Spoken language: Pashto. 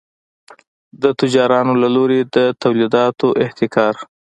د تجارانو له لوري د تولیداتو احتکار.